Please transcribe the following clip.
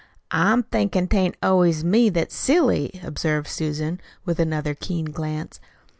"I'm thinkin' tain't always me that's silly," observed Susan, with another keen glance.